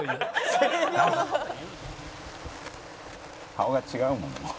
「顔が違うもんもう」